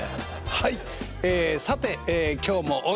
はい。